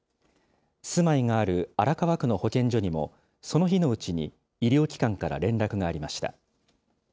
住まいがある荒川区の保健所にも、その日のうちに医療機関から連絡がありました。